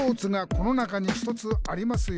「この中に１つありますよ！」